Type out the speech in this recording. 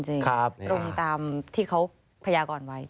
ตรงตามที่เขาพยากรไว้